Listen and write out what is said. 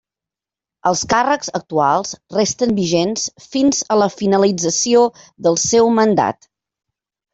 Els càrrecs actuals resten vigents fins a la finalització del seu mandat.